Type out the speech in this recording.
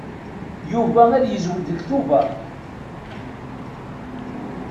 Yuba ad yezweǧ deg Tubeṛ.